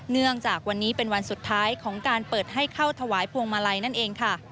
เนื่องจากวันนี้เป็นวันสุดท้ายของการเปิดให้เข้าถวายพวงมาลัยนั่นเองค่ะ